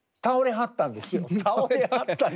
倒れはったんですよて。